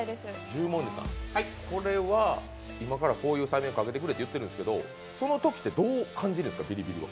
十文字さん、これから催眠術をかけてくれって言っているんですけどそのときってどう感じるんですか、ビリビリは。